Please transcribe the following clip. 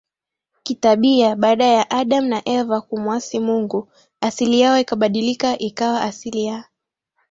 kitabia baada ya Adam na Eva kumwasi Mungu asili yao ikabadilika ikawa asili ya